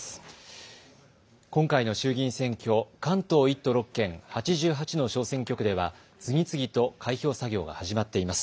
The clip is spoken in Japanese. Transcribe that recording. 今回の衆議院選挙、関東１都６県、８８の小選挙区では次々と開票作業が始まっています。